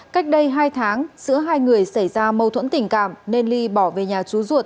cách đây hai tháng giữa hai người xảy ra mâu thuẫn tình cảm nên ly bỏ về nhà chú ruột